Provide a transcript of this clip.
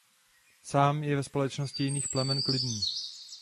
Sám je ve společnosti jiných plemen klidný.